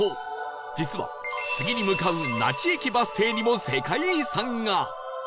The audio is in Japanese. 実は次に向かう那智駅バス停にも世界遺産が